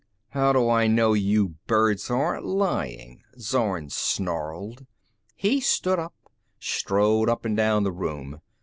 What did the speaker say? "How do I know you birds aren't lying?" Zorn snarled. He stood up, strode up and down the room.